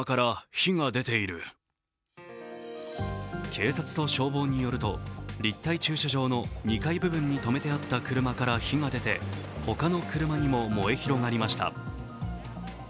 警察と消防によると立体駐車場の２階部分に止めてあった車から火が出て他の車にも燃え広がりました。